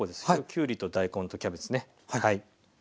きゅうりと大根とキャベツね。